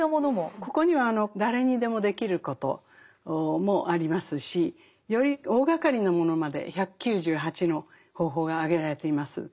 ここには誰にでもできることもありますしより大がかりなものまで１９８の方法が挙げられています。